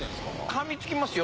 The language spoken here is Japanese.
噛みつきますよ。